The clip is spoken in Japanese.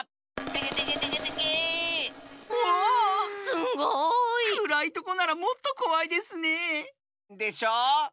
すごい！くらいとこならもっとこわいですねえ。でしょう？